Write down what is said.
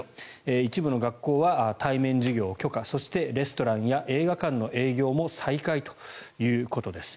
一部の学校は対面授業を許可そしてレストランや映画館の営業も再開ということです。